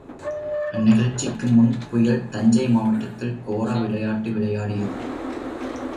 அந்நிகழ்ச்சிக்கு முன், புயல், தஞ்சை மாவட்டத்தில், கோர விளையாட்டு விளையாடியது.